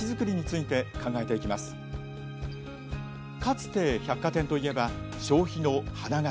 かつて百貨店といえば消費の花形。